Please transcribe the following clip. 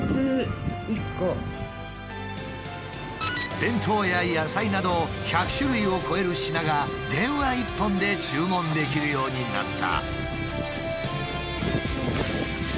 弁当や野菜など１００種類を超える品が電話一本で注文できるようになった。